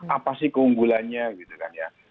apa sih keunggulannya